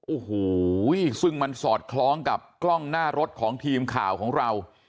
โอ้โหซึ่งมันสอดคล้องกับกล้องหน้ารถของทีมข่าวของเรา